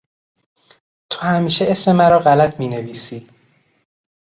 تو همیشه اسم مرا غلط می نویسی!